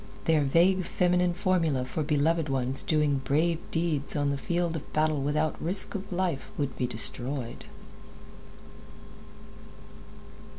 Their vague feminine formula for beloved ones doing brave deeds on the field of battle without risk of life would be destroyed.